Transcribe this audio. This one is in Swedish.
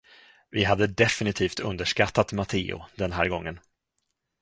Vi hade definitivt underskattat Matteo den här gången.